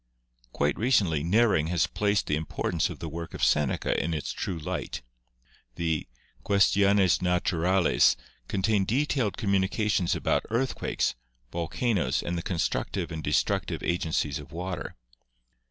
Quite recently Nehring has placed the importance of the work of Seneca in its true light. The THE ANCIENT COSMOGONIES 13 "Quaestiones Naturales" contain detailed communications about earthquakes, volcanoes and the constructive and de structive agencies of water.